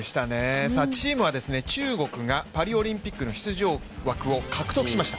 チームは中国がパリオリンピックの出場枠を獲得しました。